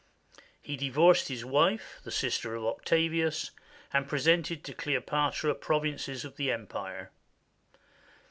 He divorced his wife, the sister of Octavius, and presented to Cleopatra provinces of the Empire.